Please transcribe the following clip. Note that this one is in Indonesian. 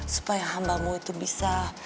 supaya hambamu itu bisa